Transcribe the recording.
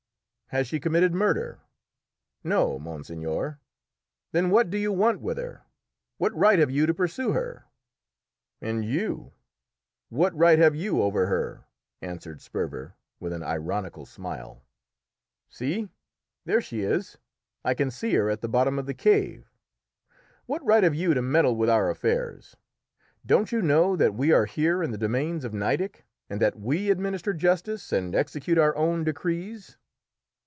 "Has she committed murder?" "No, monseigneur." "Then what do you want with her? What right have you to pursue her?" "And you what right have you over her?" answered Sperver with an ironical smile. "See, there she is. I can see her at the bottom of the cave. What right have you to meddle with our affairs? Don't you know that we are here in the domains of Nideck, and that we administer justice and execute our own decrees?"